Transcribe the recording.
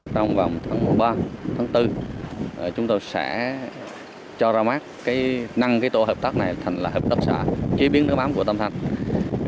trong vòng tháng một ba tháng bốn chúng tôi sẽ cho ra mắt năng cái tổ hợp tác này thành là hợp tác sở chế biến nước mắm của tam thanh